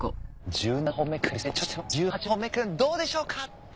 １８本目くんどうでしょうか？